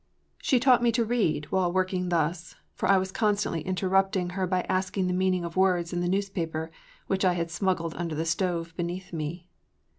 She taught me to read while working thus—for I was constantly interrupting her by asking the meaning of words in the newspaper which I had smuggled under the stove beneath me.